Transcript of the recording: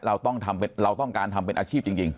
เราต้องการทำเป็นอาชีพจริง